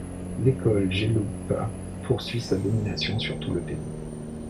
L'école Gelugpa poursuivit sa domination sur tout le pays.